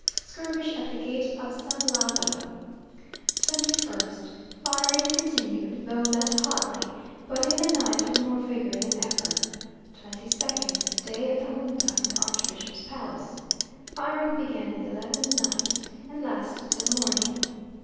Skirmish at the gate of San Lazaro. 21st, firing continued, though less hotly, but in the night with more vigour than ever. 22nd, day of the Junta in the archbishop's palace. Firing began at eleven at night, and lasted till morning.